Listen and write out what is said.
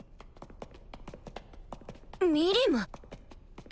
ミリム！